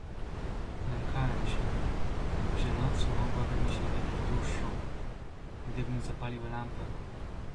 "Lękałem się, że noc mogłaby mi się wydać dłuższą, gdybym zapalił lampę."